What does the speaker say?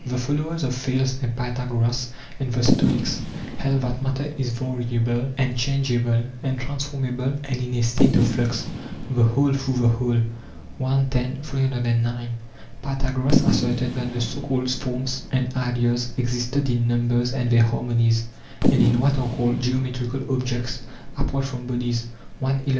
The followers of Thales and Pythagoras and the Stoics held that matter is variable and changeable and transformable and in a state of flux, the whole through the whole. i. 10; 3809. Pythagoras asserted that the so called forms and ideas exist in numbers and their harmonies, and in what are called geometrical objects, apart from bodies. i.